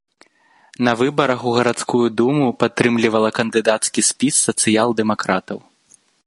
На выбарах у гарадскую думу падтрымлівала кандыдацкі спіс сацыял-дэмакратаў.